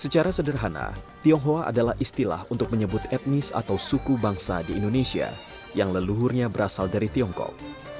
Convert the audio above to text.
secara sederhana tionghoa adalah istilah untuk menyebut etnis atau suku bangsa di indonesia yang leluhurnya berasal dari tiongkok